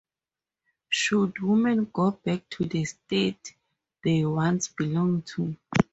Should women go back to the state they once belonged to.